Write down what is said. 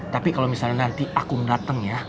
tapi kalau misalnya nanti aku datang ya